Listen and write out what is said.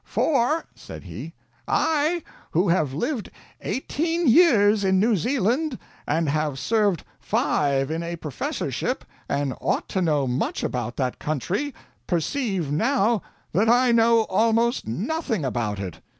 'For,' said he, 'I, who have lived eighteen years in New Zealand and have served five in a professorship, and ought to know much about that country, perceive, now, that I know almost nothing about it.